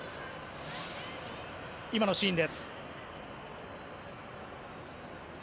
今のシーンです。